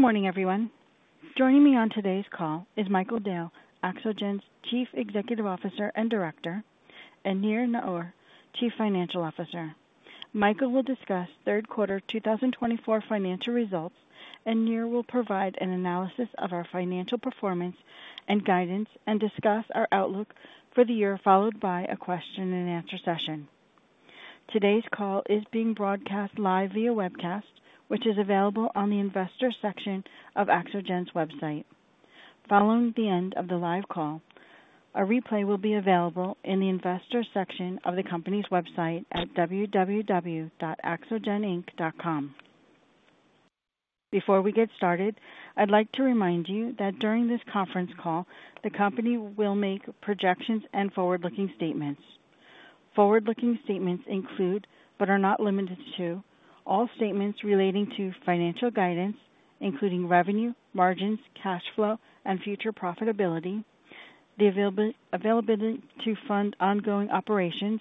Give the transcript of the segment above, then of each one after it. Good morning, everyone. Joining me on today's call is Michael Dale, Axogen's Chief Executive Officer and Director, and Nir Naor, Chief Financial Officer. Michael will discuss third quarter 2024 financial results, and Nir will provide an analysis of our financial performance and guidance, and discuss our outlook for the year followed by a question-and-answer session. Today's call is being broadcast live via webcast, which is available on the Investor section of Axogen's website. Following the end of the live call, a replay will be available in the Investor section of the company's website at www.axogen.com. Before we get started, I'd like to remind you that during this conference call, the company will make projections and forward-looking statements. Forward-looking statements include, but are not limited to, all statements relating to financial guidance, including revenue, margins, cash flow, and future profitability, the availability to fund ongoing operations,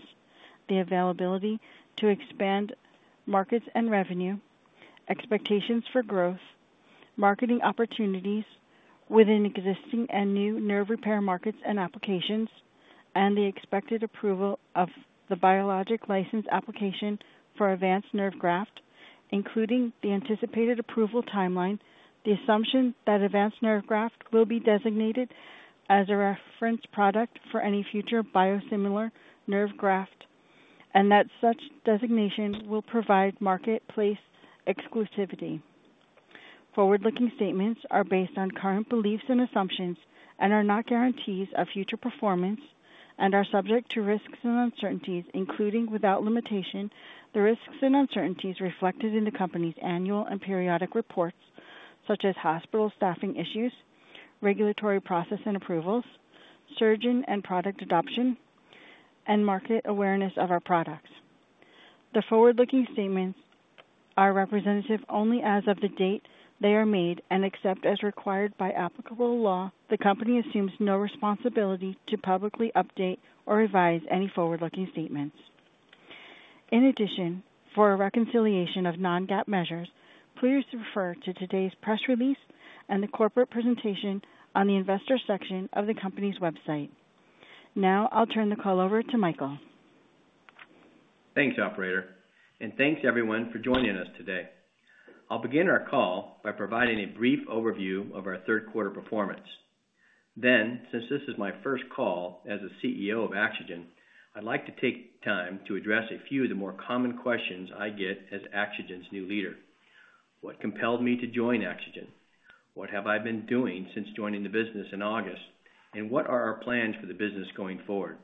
the availability to expand markets and revenue, expectations for growth, marketing opportunities within existing and new nerve repair markets and applications, and the expected approval of the Biologics License Application for Avance Nerve Graft, including the anticipated approval timeline, the assumption that Avance Nerve Graft will be designated as a reference product for any future biosimilar nerve graft, and that such designation will provide marketplace exclusivity. Forward-looking statements are based on current beliefs and assumptions and are not guarantees of future performance and are subject to risks and uncertainties, including without limitation, the risks and uncertainties reflected in the company's annual and periodic reports, such as hospital staffing issues, regulatory process and approvals, surgeon and product adoption, and market awareness of our products. The forward-looking statements are representative only as of the date they are made and except as required by applicable law. The company assumes no responsibility to publicly update or revise any forward-looking statements. In addition, for a reconciliation of non-GAAP measures, please refer to today's press release and the corporate presentation on the investor section of the company's website. Now, I'll turn the call over to Michael. Thanks, Operator, and thanks, everyone, for joining us today. I'll begin our call by providing a brief overview of our third quarter performance. Then, since this is my first call as the CEO of Axogen, I'd like to take time to address a few of the more common questions I get as Axogen's new leader. What compelled me to join Axogen? What have I been doing since joining the business in August? And what are our plans for the business going forward?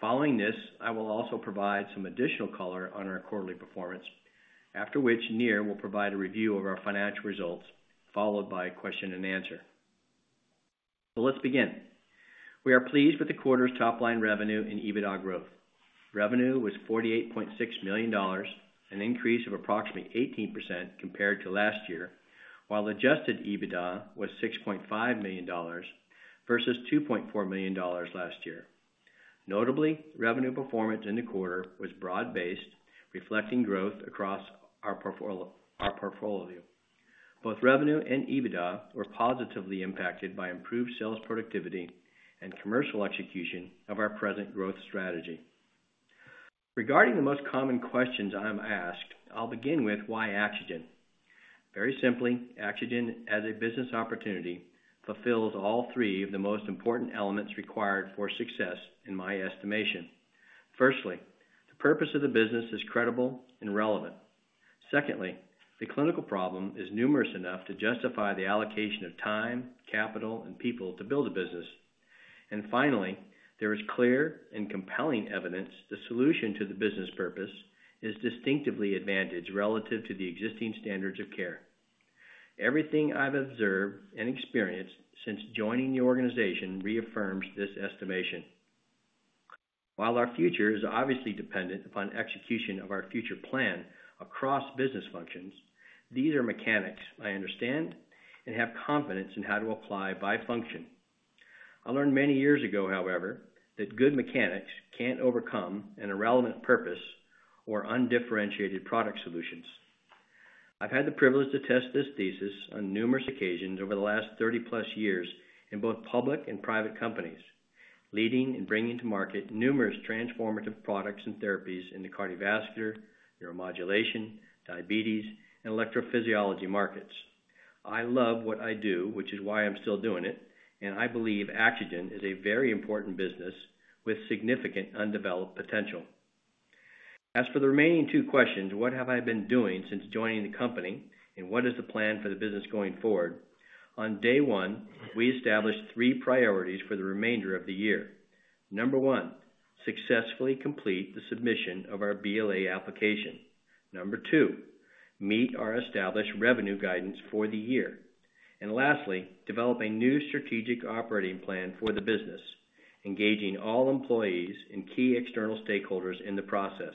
Following this, I will also provide some additional color on our quarterly performance, after which Nir will provide a review of our financial results, followed by a question and answer. So let's begin. We are pleased with the quarter's top-line revenue and EBITDA growth. Revenue was $48.6 million, an increase of approximately 18% compared to last year, while adjusted EBITDA was $6.5 million versus $2.4 million last year. Notably, revenue performance in the quarter was broad-based, reflecting growth across our portfolio. Both revenue and EBITDA were positively impacted by improved sales productivity and commercial execution of our present growth strategy. Regarding the most common questions I'm asked, I'll begin with why Axogen. Very simply, Axogen, as a business opportunity, fulfills all three of the most important elements required for success, in my estimation. Firstly, the purpose of the business is credible and relevant. Secondly, the clinical problem is numerous enough to justify the allocation of time, capital, and people to build a business. And finally, there is clear and compelling evidence the solution to the business purpose is distinctively advantaged relative to the existing standards of care. Everything I've observed and experienced since joining the organization reaffirms this estimation. While our future is obviously dependent upon execution of our future plan across business functions, these are mechanics I understand and have confidence in how to apply by function. I learned many years ago, however, that good mechanics can't overcome an irrelevant purpose or undifferentiated product solutions. I've had the privilege to test this thesis on numerous occasions over the last 30-plus years in both public and private companies, leading and bringing to market numerous transformative products and therapies in the cardiovascular, neuromodulation, diabetes, and electrophysiology markets. I love what I do, which is why I'm still doing it, and I believe Axogen is a very important business with significant undeveloped potential. As for the remaining two questions, what have I been doing since joining the company, and what is the plan for the business going forward? On day one, we established three priorities for the remainder of the year. Number one, successfully complete the submission of our BLA application. Number two, meet our established revenue guidance for the year. And lastly, develop a new strategic operating plan for the business, engaging all employees and key external stakeholders in the process.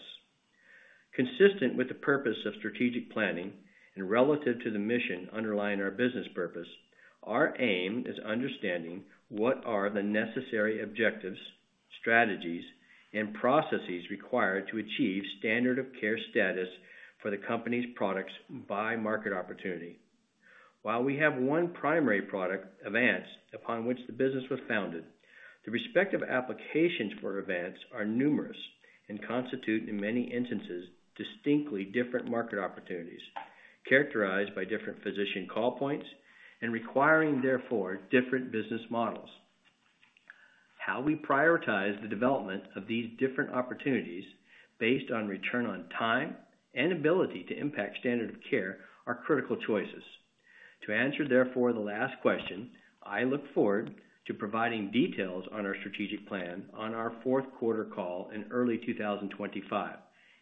Consistent with the purpose of strategic planning and relative to the mission underlying our business purpose, our aim is understanding what are the necessary objectives, strategies, and processes required to achieve standard of care status for the company's products by market opportunity. While we have one primary product, Avance, upon which the business was founded, the respective applications for Avance are numerous and constitute, in many instances, distinctly different market opportunities, characterized by different physician call points and requiring, therefore, different business models. How we prioritize the development of these different opportunities based on return on time and ability to impact standard of care are critical choices. To answer, therefore, the last question, I look forward to providing details on our strategic plan on our fourth quarter call in early 2025,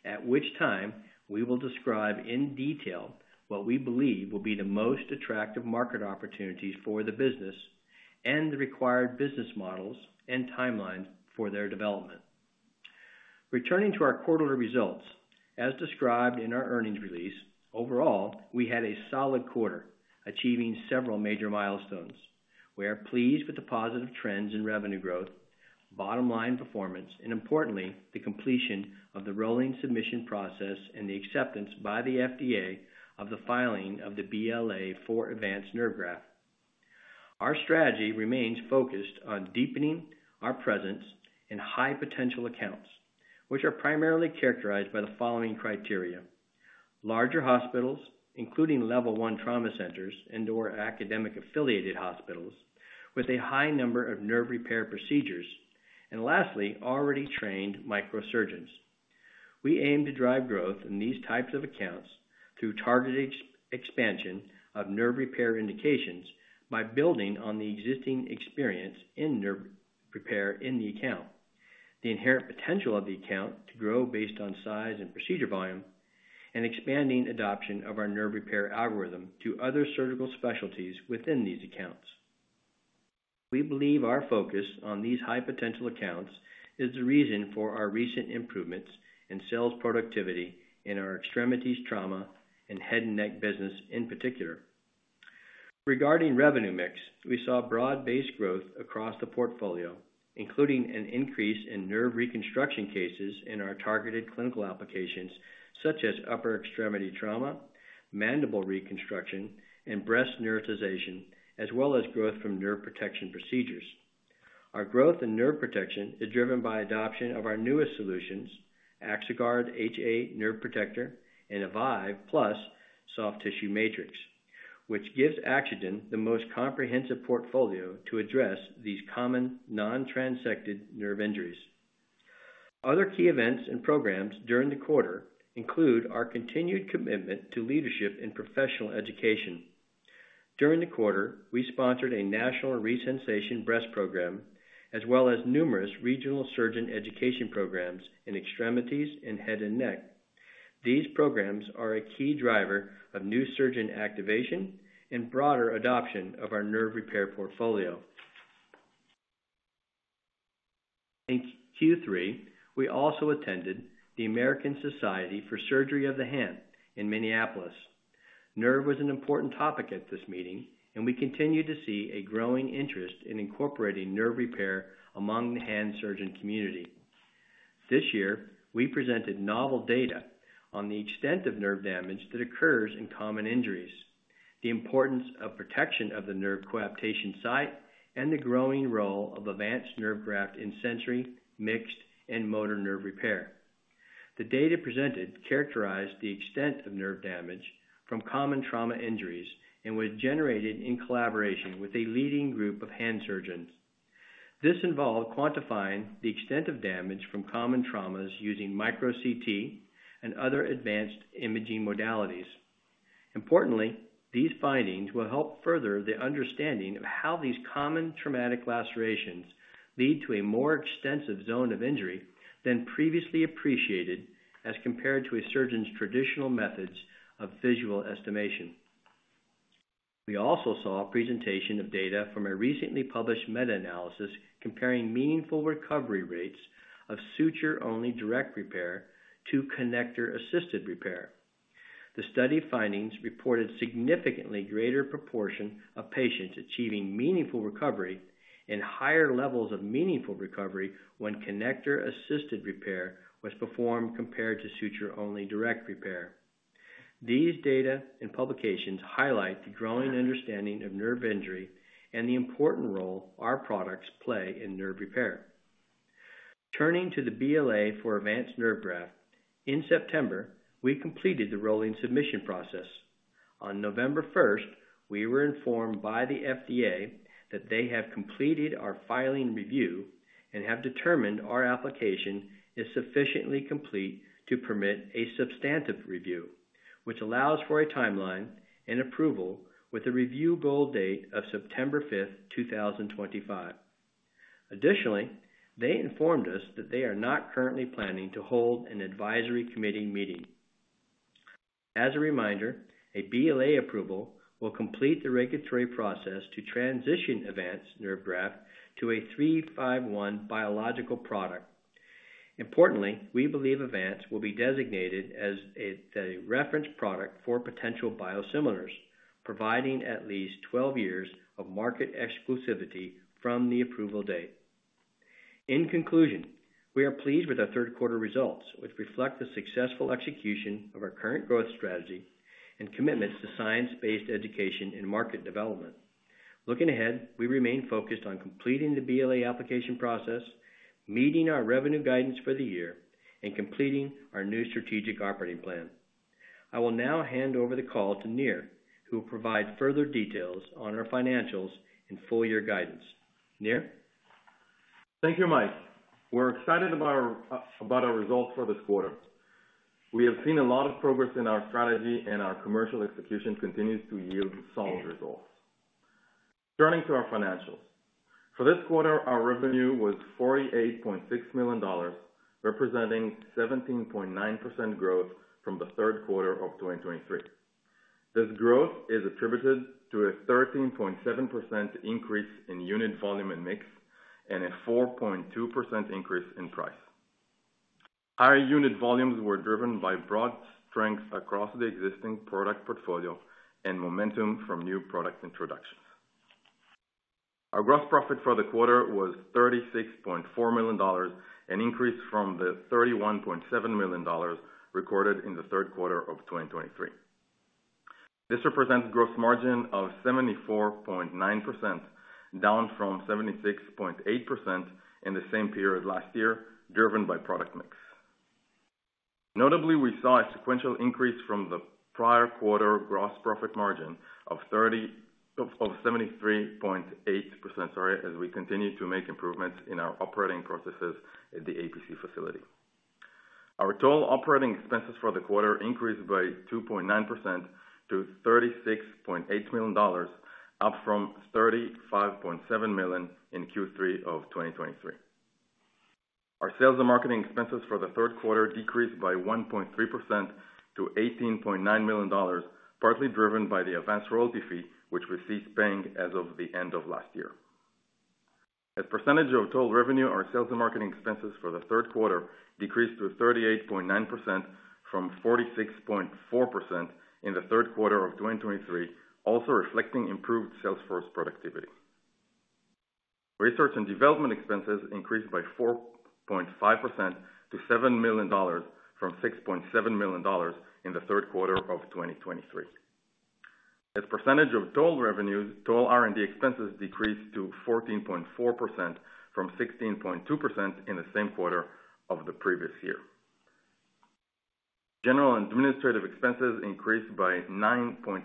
at which time we will describe in detail what we believe will be the most attractive market opportunities for the business and the required business models and timelines for their development. Returning to our quarterly results, as described in our earnings release, overall, we had a solid quarter, achieving several major milestones. We are pleased with the positive trends in revenue growth, bottom-line performance, and importantly, the completion of the rolling submission process and the acceptance by the FDA of the filing of the BLA for Avance Nerve Graft. Our strategy remains focused on deepening our presence in high-potential accounts, which are primarily characterized by the following criteria: larger hospitals, including Level I trauma centers and/or academic-affiliated hospitals with a high number of nerve repair procedures, and lastly, already trained microsurgeons. We aim to drive growth in these types of accounts through targeted expansion of nerve repair indications by building on the existing experience in nerve repair in the account, the inherent potential of the account to grow based on size and procedure volume, and expanding adoption of our nerve repair algorithm to other surgical specialties within these accounts. We believe our focus on these high-potential accounts is the reason for our recent improvements in sales productivity in our extremities trauma and head and neck business in particular. Regarding revenue mix, we saw broad-based growth across the portfolio, including an increase in nerve reconstruction cases in our targeted clinical applications such as upper extremity trauma, mandible reconstruction, and breast neurotization, as well as growth from nerve protection procedures. Our growth in nerve protection is driven by adoption of our newest solutions, Axoguard HA Nerve Protector and Avive+ Soft Tissue Matrix, which gives Axogen the most comprehensive portfolio to address these common non-transected nerve injuries. Other key events and programs during the quarter include our continued commitment to leadership and professional education. During the quarter, we sponsored a national Resensation breast program, as well as numerous regional surgeon education programs in extremities and head and neck. These programs are a key driver of new surgeon activation and broader adoption of our nerve repair portfolio. In Q3, we also attended the American Society for Surgery of the Hand in Minneapolis. Nerve was an important topic at this meeting, and we continue to see a growing interest in incorporating nerve repair among the hand surgeon community. This year, we presented novel data on the extent of nerve damage that occurs in common injuries, the importance of protection of the nerve coaptation site, and the growing role of advanced nerve graft in sensory, mixed, and motor nerve repair. The data presented characterized the extent of nerve damage from common trauma injuries and was generated in collaboration with a leading group of hand surgeons. This involved quantifying the extent of damage from common traumas using Micro-CT and other advanced imaging modalities. Importantly, these findings will help further the understanding of how these common traumatic lacerations lead to a more extensive zone of injury than previously appreciated as compared to a surgeon's traditional methods of visual estimation. We also saw a presentation of data from a recently published meta-analysis comparing meaningful recovery rates of suture-only direct repair to connector-assisted repair. The study findings reported significantly greater proportion of patients achieving meaningful recovery and higher levels of meaningful recovery when connector-assisted repair was performed compared to suture-only direct repair. These data and publications highlight the growing understanding of nerve injury and the important role our products play in nerve repair. Turning to the BLA for Avance Nerve Graft, in September, we completed the rolling submission process. On November 1st, we were informed by the FDA that they have completed our filing review and have determined our application is sufficiently complete to permit a substantive review, which allows for a timeline and approval with a review goal date of September 5th, 2025. Additionally, they informed us that they are not currently planning to hold an advisory committee meeting. As a reminder, a BLA approval will complete the regulatory process to transition Avance Nerve Graft to a 351 biological product. Importantly, we believe Avance will be designated as a reference product for potential biosimilars, providing at least 12 years of market exclusivity from the approval date. In conclusion, we are pleased with our third quarter results, which reflect the successful execution of our current growth strategy and commitments to science-based education and market development. Looking ahead, we remain focused on completing the BLA application process, meeting our revenue guidance for the year, and completing our new strategic operating plan. I will now hand over the call to Nir, who will provide further details on our financials and full-year guidance. Nir? Thank you, Mike. We're excited about our results for this quarter. We have seen a lot of progress in our strategy, and our commercial execution continues to yield solid results. Turning to our financials, for this quarter, our revenue was $48.6 million, representing 17.9% growth from the third quarter of 2023. This growth is attributed to a 13.7% increase in unit volume and mix and a 4.2% increase in price. Higher unit volumes were driven by broad strengths across the existing product portfolio and momentum from new product introductions. Our gross profit for the quarter was $36.4 million, an increase from the $31.7 million recorded in the third quarter of 2023. This represents a gross margin of 74.9%, down from 76.8% in the same period last year, driven by product mix. Notably, we saw a sequential increase from the prior quarter gross profit margin of 73.8%, as we continue to make improvements in our operating processes at the APC facility. Our total operating expenses for the quarter increased by 2.9% to $36.8 million, up from $35.7 million in Q3 of 2023. Our sales and marketing expenses for the third quarter decreased by 1.3% to $18.9 million, partly driven by the advanced royalty fee, which we ceased paying as of the end of last year. As a percentage of total revenue, our sales and marketing expenses for the third quarter decreased to 38.9% from 46.4% in the third quarter of 2023, also reflecting improved sales force productivity. Research and development expenses increased by 4.5% to $7 million from $6.7 million in the third quarter of 2023. As a percentage of total revenue, total R&D expenses decreased to 14.4% from 16.2% in the same quarter of the previous year. General and administrative expenses increased by 9.8%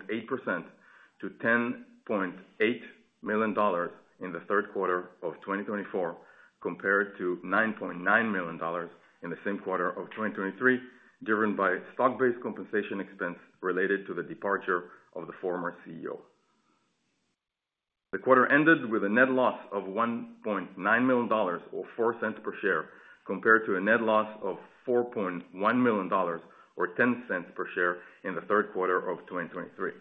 to $10.8 million in the third quarter of 2024, compared to $9.9 million in the same quarter of 2023, driven by stock-based compensation expense related to the departure of the former CEO. The quarter ended with a net loss of $1.9 million, or $0.04 per share, compared to a net loss of $4.1 million, or $0.10 per share, in the third quarter of 2023.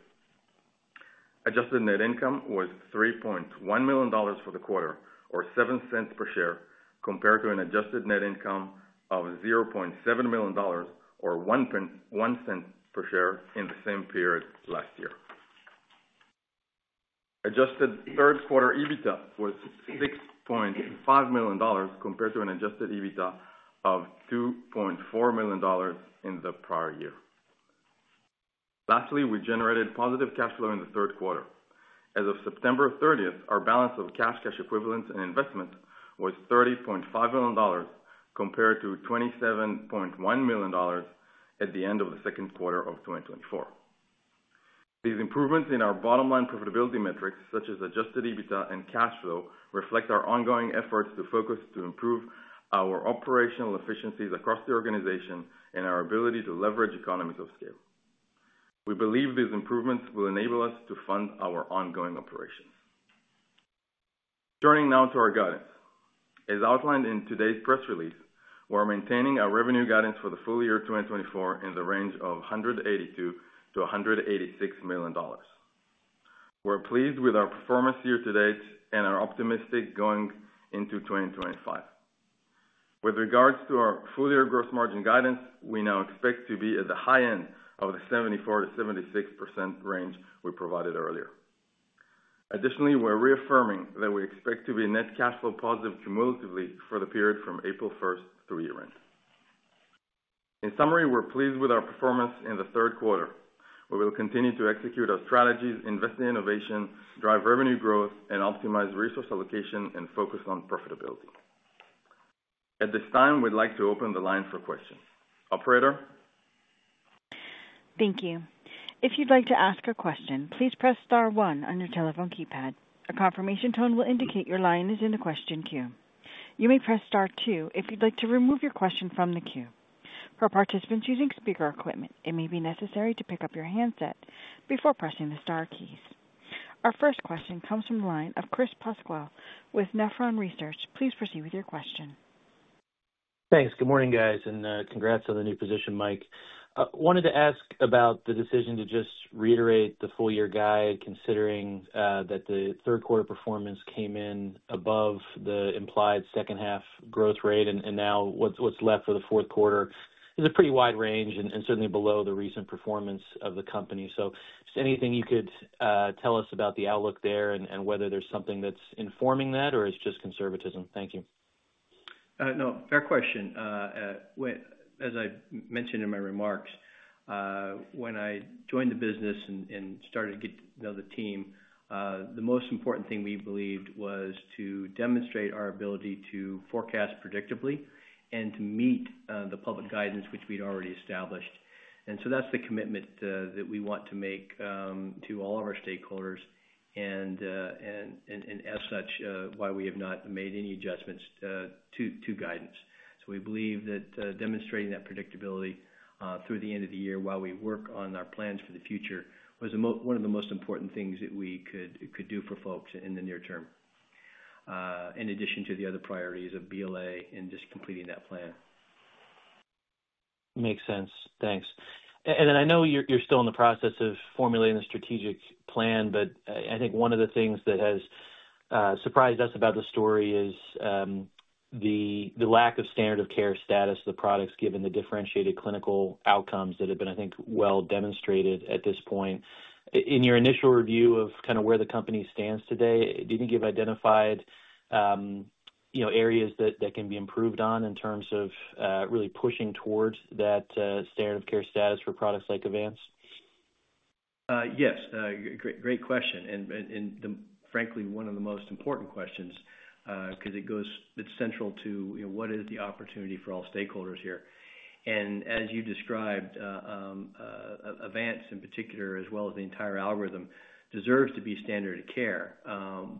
Adjusted net income was $3.1 million for the quarter, or $0.07 per share, compared to an adjusted net income of $0.7 million, or $0.01 per share, in the same period last year. Adjusted third quarter EBITDA was $6.5 million, compared to an adjusted EBITDA of $2.4 million in the prior year. Lastly, we generated positive cash flow in the third quarter. As of September 30th, our balance of cash equivalents and investments was $30.5 million, compared to $27.1 million at the end of the second quarter of 2024. These improvements in our bottom-line profitability metrics, such as Adjusted EBITDA and cash flow, reflect our ongoing efforts to focus to improve our operational efficiencies across the organization and our ability to leverage economies of scale. We believe these improvements will enable us to fund our ongoing operations. Turning now to our guidance. As outlined in today's press release, we are maintaining our revenue guidance for the full year 2024 in the range of $182-$186 million. We're pleased with our performance year-to-date and are optimistic going into 2025. With regards to our full-year gross margin guidance, we now expect to be at the high end of the 74%-76% range we provided earlier. Additionally, we're reaffirming that we expect to be net cash flow positive cumulatively for the period from April 1st through year-end. In summary, we're pleased with our performance in the third quarter. We will continue to execute our strategies, invest in innovation, drive revenue growth, and optimize resource allocation and focus on profitability. At this time, we'd like to open the line for questions. Operator? Thank you. If you'd like to ask a question, please press star one on your telephone keypad. A confirmation tone will indicate your line is in the question queue. You may press star two if you'd like to remove your question from the queue. For participants using speaker equipment, it may be necessary to pick up your handset before pressing the star keys. Our first question comes from the line of Chris Pasquale with Nephron Research. Please proceed with your question. Thanks. Good morning, guys, and congrats on the new position, Mike. I wanted to ask about the decision to just reiterate the full-year guide, considering that the third quarter performance came in above the implied second-half growth rate, and now what's left for the fourth quarter is a pretty wide range and certainly below the recent performance of the company. So just anything you could tell us about the outlook there and whether there's something that's informing that or it's just conservatism. Thank you. No, fair question. As I mentioned in my remarks, when I joined the business and started to get to know the team, the most important thing we believed was to demonstrate our ability to forecast predictably and to meet the public guidance, which we'd already established, and so that's the commitment that we want to make to all of our stakeholders and, as such, why we have not made any adjustments to guidance, so we believe that demonstrating that predictability through the end of the year while we work on our plans for the future was one of the most important things that we could do for folks in the near term, in addition to the other priorities of BLA and just completing that plan. Makes sense. Thanks. And then I know you're still in the process of formulating the strategic plan, but I think one of the things that has surprised us about the story is the lack of standard of care status of the products, given the differentiated clinical outcomes that have been, I think, well demonstrated at this point. In your initial review of kind of where the company stands today, do you think you've identified areas that can be improved on in terms of really pushing towards that standard of care status for products like Avance? Yes. Great question, and frankly, one of the most important questions because it's central to what is the opportunity for all stakeholders here, and as you described, Avance in particular, as well as the entire algorithm, deserves to be standard of care,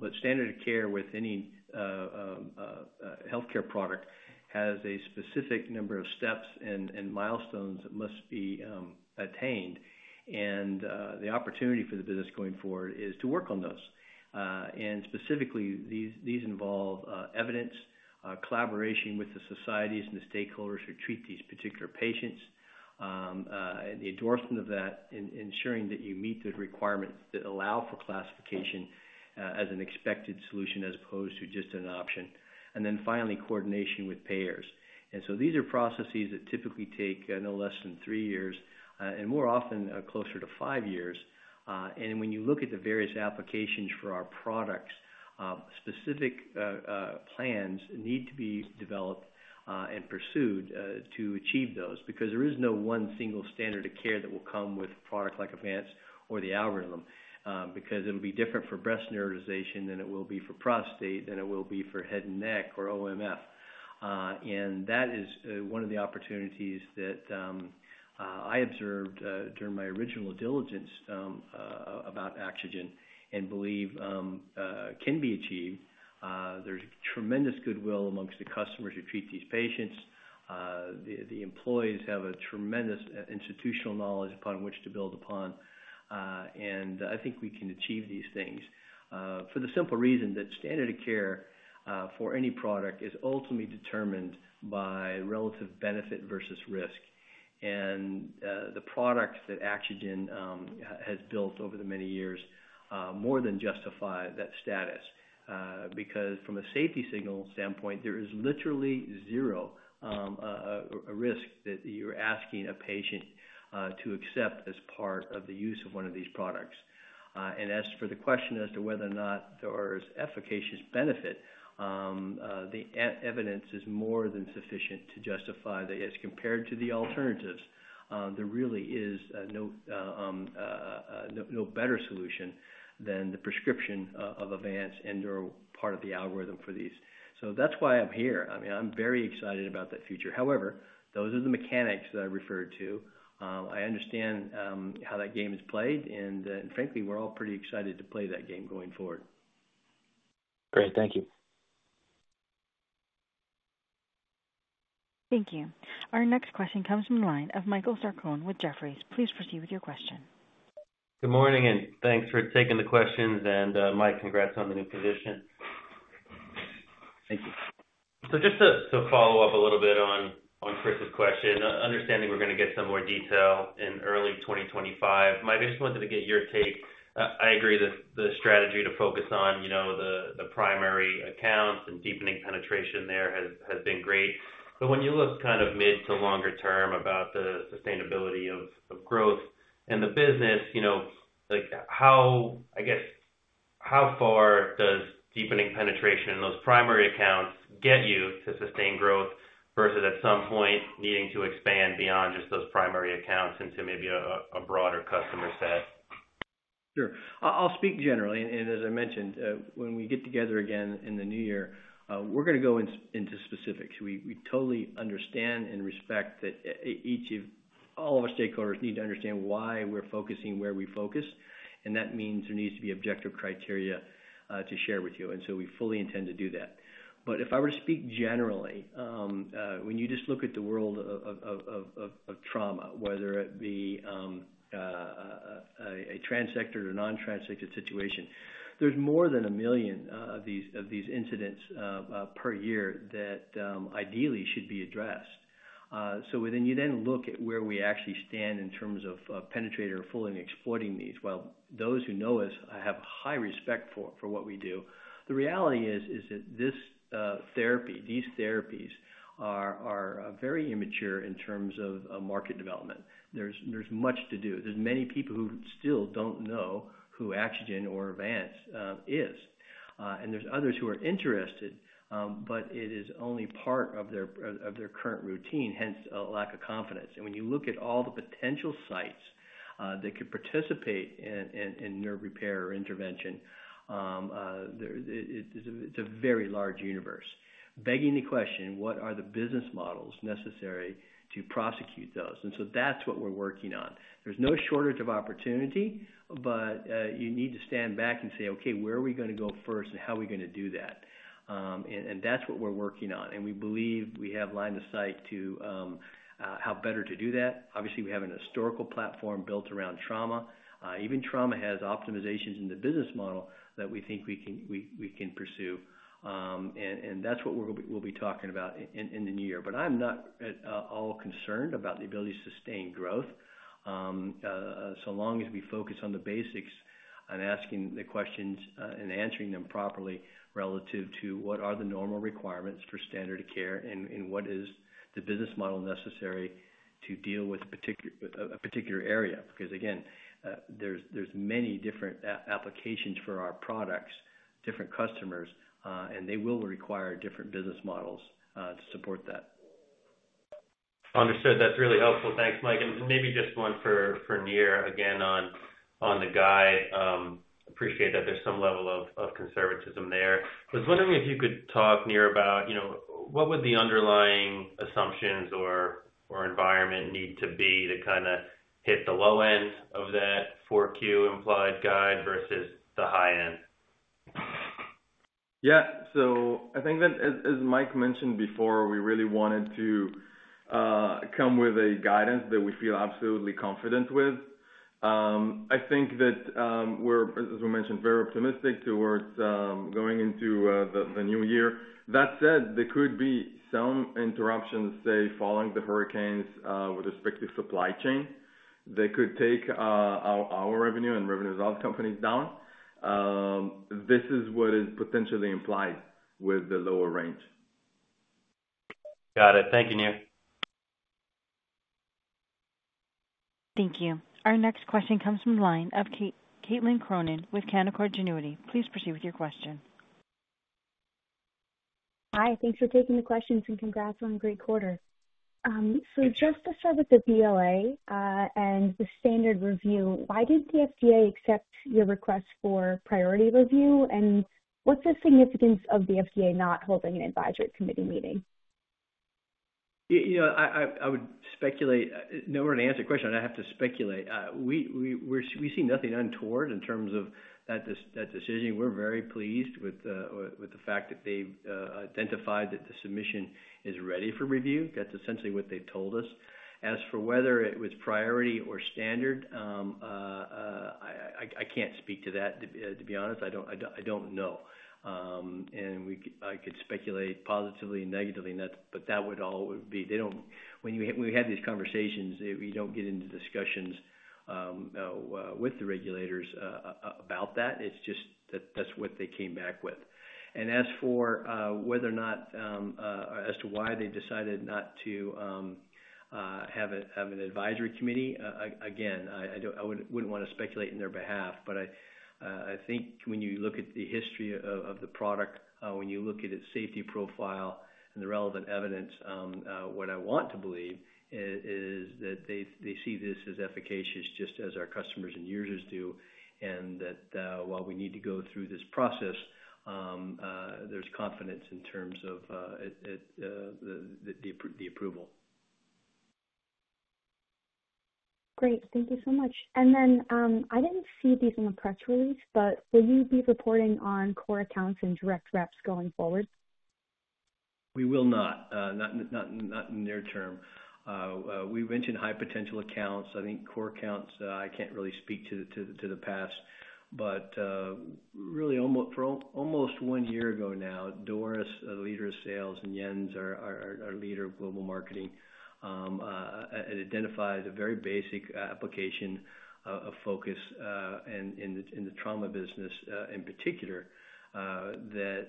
but standard of care with any healthcare product has a specific number of steps and milestones that must be attained, and the opportunity for the business going forward is to work on those. And specifically, these involve evidence, collaboration with the societies and the stakeholders who treat these particular patients, the endorsement of that, ensuring that you meet the requirements that allow for classification as an expected solution as opposed to just an option, and then finally, coordination with payers. And so these are processes that typically take no less than three years and more often closer to five years. When you look at the various applications for our products, specific plans need to be developed and pursued to achieve those because there is no one single standard of care that will come with a product like Avance or the algorithm because it'll be different for breast neurotization than it will be for prostate, than it will be for head and neck or OMF. That is one of the opportunities that I observed during my original diligence about Axogen and believe can be achieved. There's tremendous goodwill amongst the customers who treat these patients. The employees have a tremendous institutional knowledge upon which to build upon. I think we can achieve these things for the simple reason that standard of care for any product is ultimately determined by relative benefit versus risk. And the products that Axogen has built over the many years more than justify that status because from a safety signal standpoint, there is literally zero risk that you're asking a patient to accept as part of the use of one of these products. And as for the question as to whether or not there is efficacious benefit, the evidence is more than sufficient to justify that as compared to the alternatives, there really is no better solution than the prescription of Avance and/or part of the algorithm for these. So that's why I'm here. I mean, I'm very excited about that future. However, those are the mechanics that I referred to. I understand how that game is played. And frankly, we're all pretty excited to play that game going forward. Great. Thank you. Thank you. Our next question comes from the line of Michael Sarcone with Jefferies. Please proceed with your question. Good morning, and thanks for taking the questions. And Mike, congrats on the new position. Thank you. So just to follow up a little bit on Chris's question, understanding we're going to get some more detail in early 2025, Mike, I just wanted to get your take. I agree that the strategy to focus on the primary accounts and deepening penetration there has been great. But when you look kind of mid to longer term about the sustainability of growth and the business, I guess, how far does deepening penetration in those primary accounts get you to sustain growth versus at some point needing to expand beyond just those primary accounts into maybe a broader customer set? Sure. I'll speak generally. And as I mentioned, when we get together again in the new year, we're going to go into specifics. We totally understand and respect that all of our stakeholders need to understand why we're focusing where we focus. And that means there needs to be objective criteria to share with you. And so we fully intend to do that. But if I were to speak generally, when you just look at the world of trauma, whether it be a transect or a non-transect situation, there's more than a million of these incidents per year that ideally should be addressed. So when you then look at where we actually stand in terms of penetrating or fully exploiting these, well, those who know us have high respect for what we do. The reality is that these therapies are very immature in terms of market development. There's much to do. There's many people who still don't know who Axogen or Avance is, and there's others who are interested, but it is only part of their current routine, hence a lack of confidence, and when you look at all the potential sites that could participate in nerve repair or intervention, it's a very large universe. Begging the question, what are the business models necessary to prosecute those, and so that's what we're working on. There's no shortage of opportunity, but you need to stand back and say, "Okay, where are we going to go first and how are we going to do that?", and that's what we're working on, and we believe we have line of sight to how better to do that. Obviously, we have an historical platform built around trauma. Even trauma has optimizations in the business model that we think we can pursue. That's what we'll be talking about in the new year. I'm not at all concerned about the ability to sustain growth so long as we focus on the basics and asking the questions and answering them properly relative to what are the normal requirements for standard of care and what is the business model necessary to deal with a particular area because, again, there's many different applications for our products, different customers, and they will require different business models to support that. Understood. That's really helpful. Thanks, Mike. And maybe just one for Nir again on the guide. Appreciate that there's some level of conservatism there. I was wondering if you could talk, Nir, about what would the underlying assumptions or environment need to be to kind of hit the low end of that Q4 implied guide versus the high end? Yeah. So I think that, as Mike mentioned before, we really wanted to come with a guidance that we feel absolutely confident with. I think that we're, as we mentioned, very optimistic towards going into the new year. That said, there could be some interruptions, say, following the hurricanes with respect to supply chain. That could take our revenue and revenues of companies down. This is what is potentially implied with the lower range. Got it. Thank you, Nir. Thank you. Our next question comes from the line of Caitlin Cronin with Canaccord Genuity. Please proceed with your question. Hi. Thanks for taking the questions and congrats on a great quarter. So just to start with the BLA and the standard review, why did the FDA accept your request for priority review? And what's the significance of the FDA not holding an advisory committee meeting? I would speculate. In order to answer the question, I'd have to speculate. We see nothing untoward in terms of that decision. We're very pleased with the fact that they've identified that the submission is ready for review. That's essentially what they've told us. As for whether it was priority or standard, I can't speak to that, to be honest. I don't know. And I could speculate positively and negatively, but that would all be when we had these conversations, we don't get into discussions with the regulators about that. It's just that that's what they came back with. And as for whether or not as to why they decided not to have an advisory committee, again, I wouldn't want to speculate on their behalf. But I think when you look at the history of the product, when you look at its safety profile and the relevant evidence, what I want to believe is that they see this as efficacious just as our customers and users do. And that while we need to go through this process, there's confidence in terms of the approval. Great. Thank you so much. And then I didn't see these in the press release, but will you be reporting on core accounts and direct reps going forward? We will not. Not in the near term. We mentioned high-potential accounts. I think core accounts, I can't really speak to the past. But really, almost one year ago now, Doris, our leader of sales, and Jens, our leader of global marketing, identified a very basic application of focus in the trauma business in particular that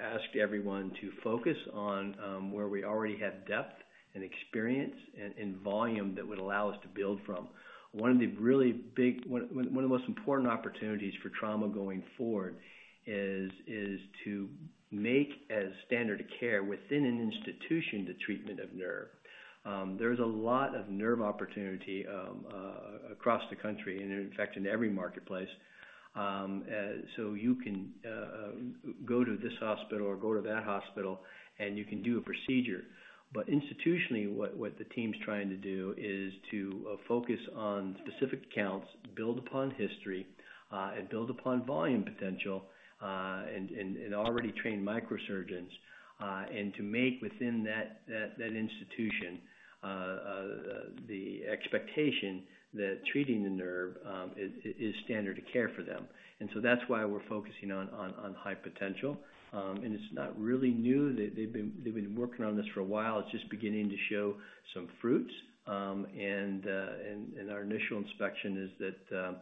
asked everyone to focus on where we already have depth and experience and volume that would allow us to build from. One of the most important opportunities for trauma going forward is to make as standard of care within an institution the treatment of nerve. There is a lot of nerve opportunity across the country and, in fact, in every marketplace. So you can go to this hospital or go to that hospital, and you can do a procedure. But institutionally, what the team's trying to do is to focus on specific accounts, build upon history, and build upon volume potential and already trained microsurgeons, and to make within that institution the expectation that treating the nerve is standard of care for them. And so that's why we're focusing on high potential. And it's not really new. They've been working on this for a while. It's just beginning to show some fruits. And our initial inspection is that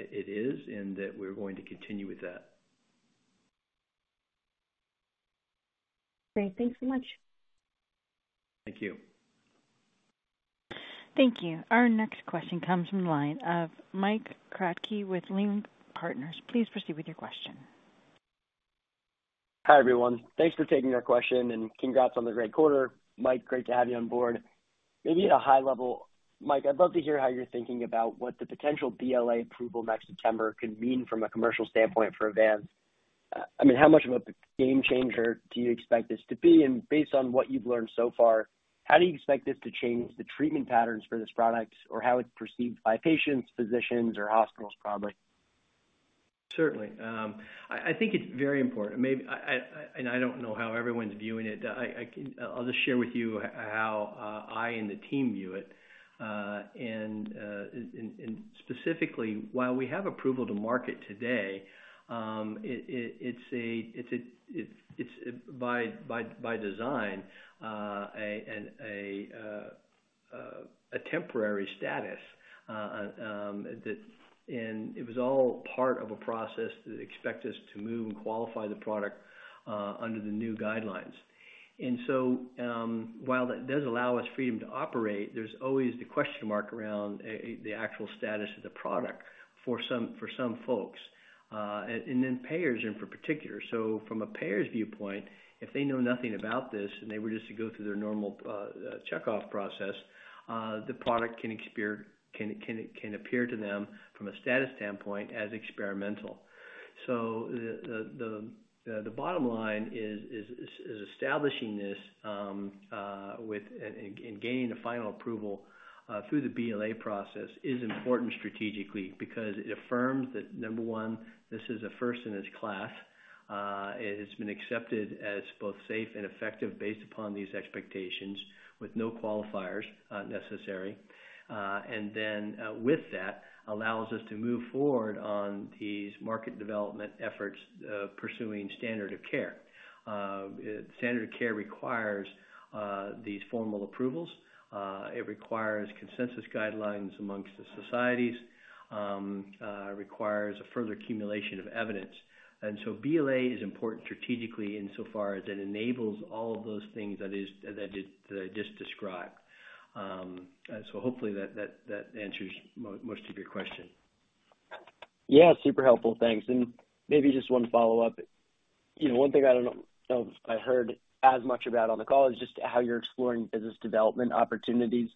it is and that we're going to continue with that. Great. Thanks so much. Thank you. Thank you. Our next question comes from the line of Mike Kratky with Leerink Partners. Please proceed with your question. Hi, everyone. Thanks for taking our question and congrats on the great quarter. Mike, great to have you on board. Maybe at a high level, Mike, I'd love to hear how you're thinking about what the potential BLA approval next September could mean from a commercial standpoint for Avance. I mean, how much of a game changer do you expect this to be? And based on what you've learned so far, how do you expect this to change the treatment patterns for this product or how it's perceived by patients, physicians, or hospitals probably? Certainly. I think it's very important. And I don't know how everyone's viewing it. I'll just share with you how I and the team view it. And specifically, while we have approval to market today, it's by design a temporary status. And it was all part of a process that expects us to move and qualify the product under the new guidelines. And so while that does allow us freedom to operate, there's always the question mark around the actual status of the product for some folks and then payers in particular. So from a payer's viewpoint, if they know nothing about this and they were just to go through their normal checkoff process, the product can appear to them from a status standpoint as experimental. The bottom line is establishing this and gaining the final approval through the BLA process is important strategically because it affirms that, number one, this is a first in its class. It has been accepted as both safe and effective based upon these expectations with no qualifiers necessary. And then with that, allows us to move forward on these market development efforts pursuing standard of care. Standard of care requires these formal approvals. It requires consensus guidelines amongst the societies. It requires a further accumulation of evidence. And so BLA is important strategically insofar as it enables all of those things that I just described. So hopefully, that answers most of your question. Yeah. Super helpful. Thanks. And maybe just one follow-up. One thing I don't know if I heard as much about on the call is just how you're exploring business development opportunities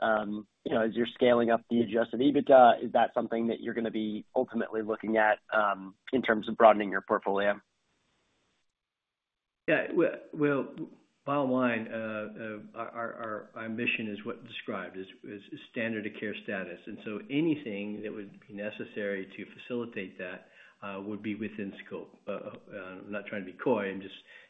as you're scaling up the Adjusted EBITDA. Is that something that you're going to be ultimately looking at in terms of broadening your portfolio? Yeah. Well, bottom line, our ambition is what's described as standard of care status. And so anything that would be necessary to facilitate that would be within scope. I'm not trying to be coy.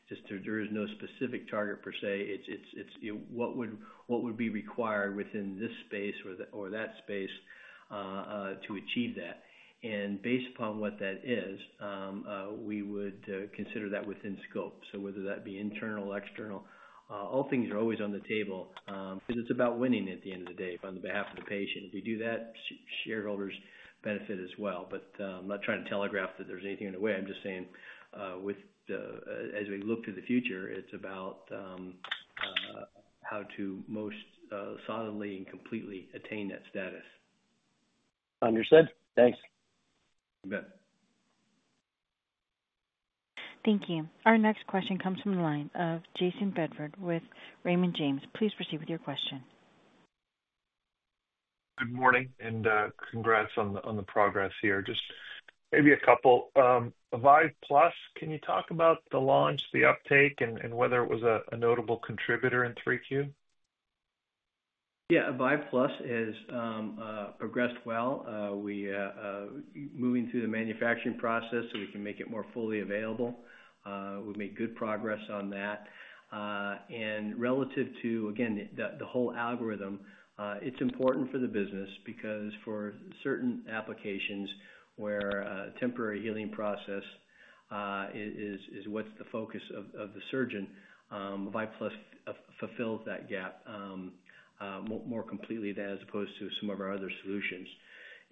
Just there is no specific target per se. It's what would be required within this space or that space to achieve that. And based upon what that is, we would consider that within scope. So whether that be internal, external, all things are always on the table because it's about winning at the end of the day on behalf of the patient. If you do that, shareholders benefit as well. But I'm not trying to telegraph that there's anything in the way. I'm just saying as we look to the future, it's about how to most solidly and completely attain that status. Understood. Thanks. You bet. Thank you. Our next question comes from the line of Jason Bedford with Raymond James. Please proceed with your question. Good morning, and congrats on the progress here. Just maybe a couple. Avive Plus, can you talk about the launch, the uptake, and whether it was a notable contributor in 3Q? Yeah. Avive Plus has progressed well. We are moving through the manufacturing process so we can make it more fully available. We've made good progress on that. And relative to, again, the whole algorithm, it's important for the business because for certain applications where a temporary healing process is what's the focus of the surgeon, Avive Plus fulfills that gap more completely than as opposed to some of our other solutions.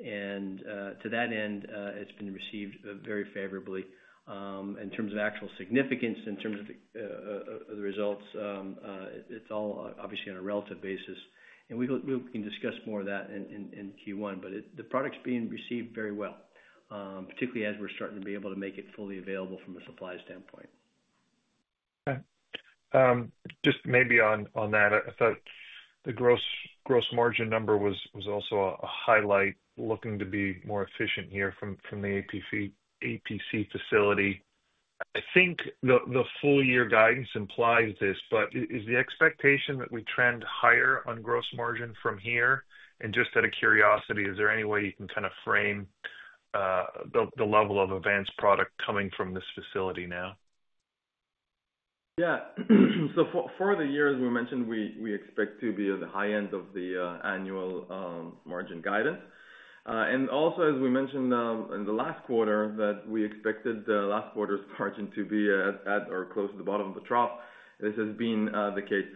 And to that end, it's been received very favorably. In terms of actual significance, in terms of the results, it's all obviously on a relative basis. And we can discuss more of that in Q1. But the product's being received very well, particularly as we're starting to be able to make it fully available from a supply standpoint. Okay. Just maybe on that, I thought the gross margin number was also a highlight looking to be more efficient here from the APC facility. I think the full-year guidance implies this, but is the expectation that we trend higher on gross margin from here? And just out of curiosity, is there any way you can kind of frame the level of advanced product coming from this facility now? Yeah, so for the year, as we mentioned, we expect to be at the high end of the annual margin guidance, and also, as we mentioned in the last quarter, that we expected the last quarter's margin to be at or close to the bottom of the trough. This has been the case.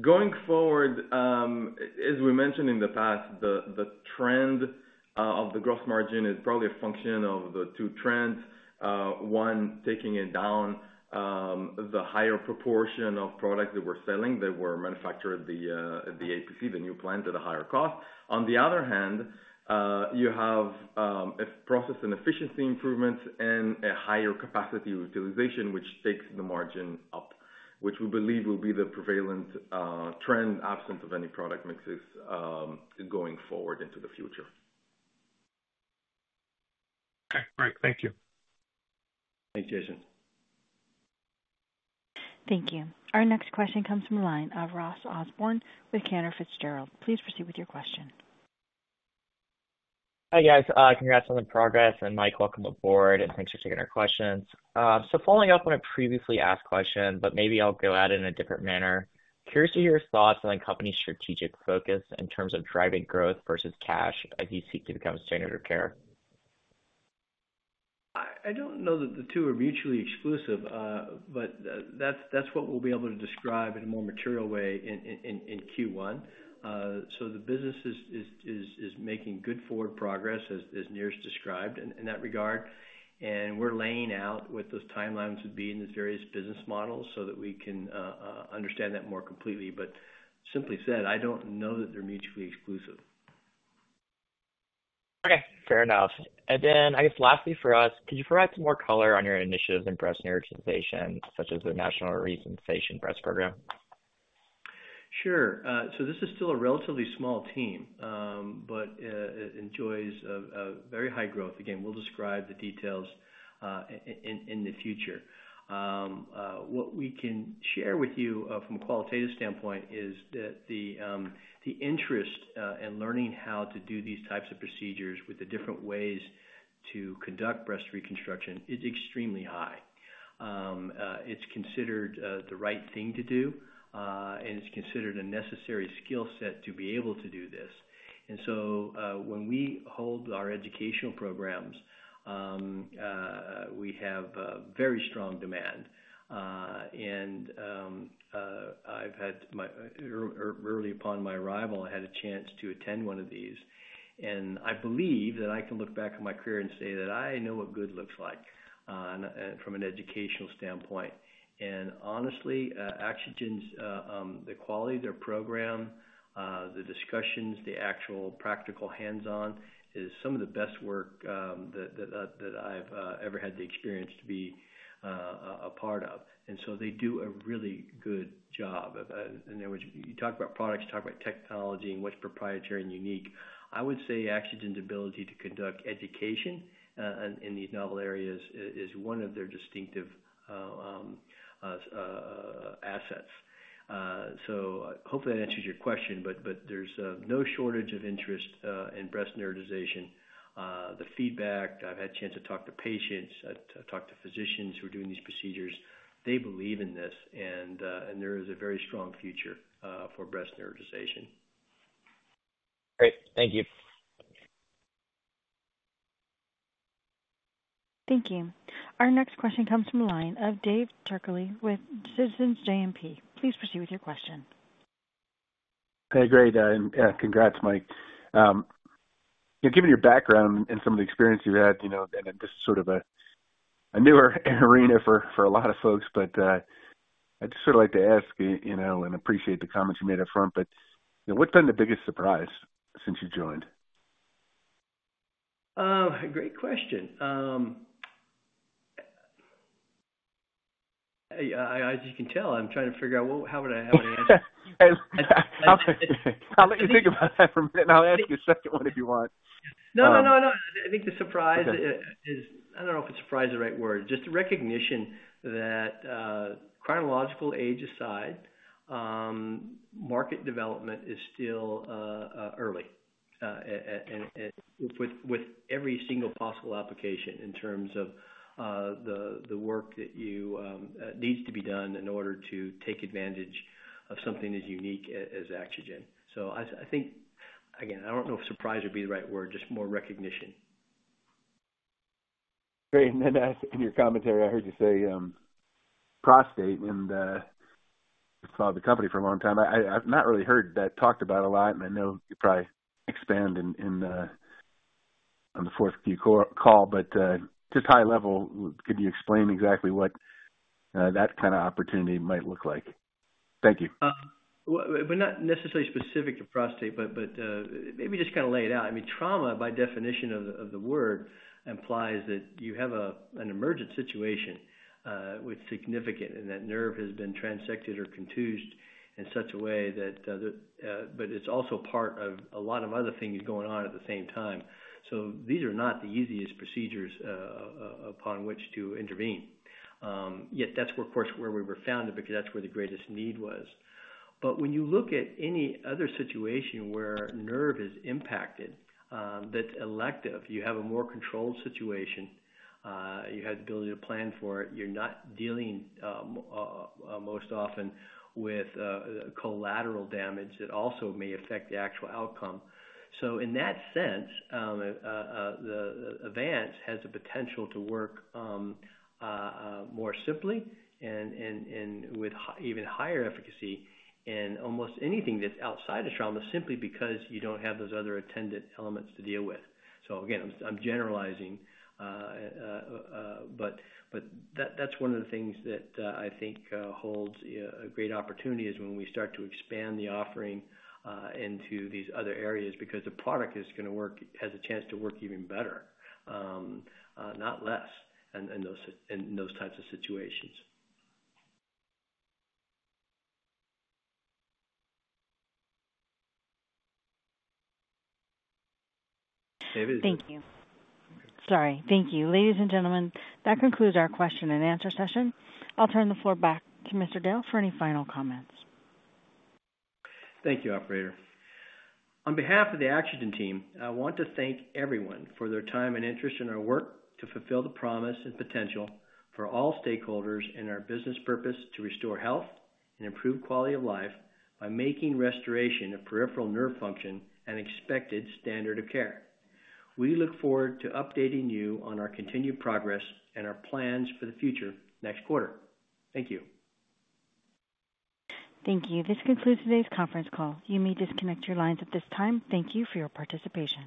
Going forward, as we mentioned in the past, the trend of the gross margin is probably a function of the two trends. One, taking it down, the higher proportion of products that we're selling that were manufactured at the APC, the new plant, at a higher cost. On the other hand, you have a process and efficiency improvements and a higher capacity utilization, which takes the margin up, which we believe will be the prevalent trend absent of any product mixes going forward into the future. Okay. Great. Thank you. Thank you, Jason. Thank you. Our next question comes from the line of Ross Osborne with Cantor Fitzgerald. Please proceed with your question. Hey, guys. Congrats on the progress. And Mike, welcome aboard. And thanks for taking our questions. So following up on a previously asked question, but maybe I'll go at it in a different manner. Curious to hear your thoughts on the company's strategic focus in terms of driving growth versus cash as you seek to become a standard of care? I don't know that the two are mutually exclusive, but that's what we'll be able to describe in a more material way in Q1. So the business is making good forward progress as Nir described in that regard. And we're laying out what those timelines would be in these various business models so that we can understand that more completely. But simply said, I don't know that they're mutually exclusive. Okay. Fair enough. And then I guess lastly for us, could you provide some more color on your initiatives in breast neurotization, such as the National Resensation Breast Program? Sure. So this is still a relatively small team, but it enjoys very high growth. Again, we'll describe the details in the future. What we can share with you from a qualitative standpoint is that the interest in learning how to do these types of procedures with the different ways to conduct breast reconstruction is extremely high. It's considered the right thing to do, and it's considered a necessary skill set to be able to do this. And so when we hold our educational programs, we have very strong demand. And I've had, early upon my arrival, I had a chance to attend one of these. And I believe that I can look back on my career and say that I know what good looks like from an educational standpoint. Honestly, Axogen's quality of their program, the discussions, the actual practical hands-on is some of the best work that I've ever had the experience to be a part of. They do a really good job. When you talk about products, you talk about technology and what's proprietary and unique. I would say Axogen's ability to conduct education in these novel areas is one of their distinctive assets. Hopefully, that answers your question. There's no shortage of interest in breast neurotization. The feedback, I've had a chance to talk to patients, talk to physicians who are doing these procedures. They believe in this. There is a very strong future for breast neurotization. Great. Thank you. Thank you. Our next question comes from the line of David Turkaly with Citizens JMP. Please proceed with your question. Hey, great. Congrats, Mike. Given your background and some of the experience you've had, and this is sort of a newer arena for a lot of folks, but I'd just sort of like to ask and appreciate the comments you made up front. But what's been the biggest surprise since you joined? Oh, great question. As you can tell, I'm trying to figure out how would I have an answer. I'll let you think about that for a minute, and I'll ask you a second one if you want. No, no, no, no. I think the surprise is. I don't know if surprise is the right word. Just the recognition that chronological age aside, market development is still early with every single possible application in terms of the work that needs to be done in order to take advantage of something as unique as Axogen. So I think, again, I don't know if surprise would be the right word, just more recognition. Great. And then in your commentary, I heard you say prostate, and you followed the company for a long time. I've not really heard that talked about a lot, and I know you probably expand on the fourth call. But just high level, could you explain exactly what that kind of opportunity might look like? Thank you. We're not necessarily specific to prostate, but maybe just kind of lay it out. I mean, trauma by definition of the word implies that you have an emergent situation with significant, and that nerve has been transected or contused in such a way that, but it's also part of a lot of other things going on at the same time. These are not the easiest procedures upon which to intervene. Yet that's, of course, where we were founded because that's where the greatest need was. When you look at any other situation where nerve is impacted, that's elective. You have a more controlled situation. You have the ability to plan for it. You're not dealing most often with collateral damage that also may affect the actual outcome. So in that sense, Avance has the potential to work more simply and with even higher efficacy in almost anything that's outside of trauma simply because you don't have those other attendant elements to deal with. So again, I'm generalizing. But that's one of the things that I think holds a great opportunity is when we start to expand the offering into these other areas because the product is going to work, has a chance to work even better, not less in those types of situations. Thank you. Sorry. Thank you. Ladies and gentlemen, that concludes our question and answer session. I'll turn the floor back to Mr. Dale for any final comments. Thank you, Operator. On behalf of the Axogen team, I want to thank everyone for their time and interest in our work to fulfill the promise and potential for all stakeholders in our business purpose to restore health and improve quality of life by making restoration of peripheral nerve function an expected standard of care. We look forward to updating you on our continued progress and our plans for the future next quarter. Thank you. Thank you. This concludes today's conference call. You may disconnect your lines at this time. Thank you for your participation.